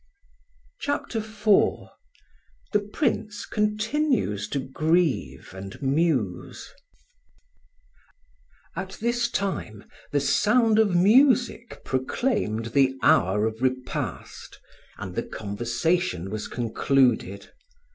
CHAPTER IV THE PRINCE CONTINUES TO GRIEVE AND MUSE. AT this time the sound of music proclaimed the hour of repast, and the conversation was concluded.